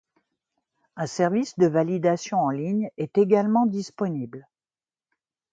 Un service de validation en ligne est également disponible.